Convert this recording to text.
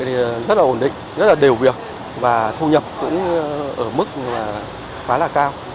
urc hà nội rất là ổn định rất là đều việc và thu nhập cũng ở mức khá là cao